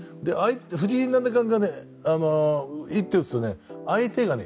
藤井七冠が一手打つと相手がね